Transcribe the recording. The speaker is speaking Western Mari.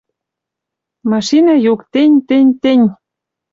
Машинӓ юк тень-тень-тень.